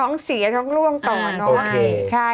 โอเคโอเคโอเค